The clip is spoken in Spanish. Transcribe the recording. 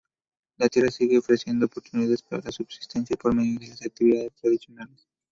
La tierra sigue ofreciendo oportunidades para la subsistencia por medio de las actividades tradicionales.